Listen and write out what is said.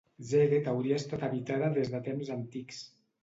Szeged hauria estat habitada des de temps antics.